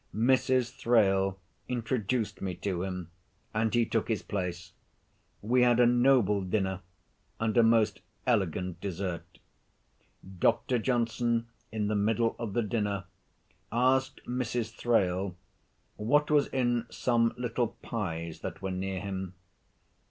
Mrs. Thrale introduced me to him, and he took his place. We had a noble dinner, and a most elegant dessert. Dr. Johnson, in the middle of dinner, asked Mrs. Thrale what was in some little pies that were near him.